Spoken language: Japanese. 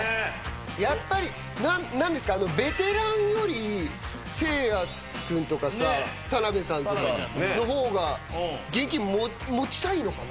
やっぱり何ですかベテランよりせいや君とか田辺さんとかの方が現金持ちたいのかな？